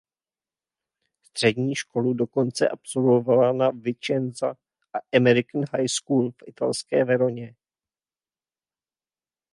Střední školu dokonce absolvovala na Vicenza American High School v italské Veroně.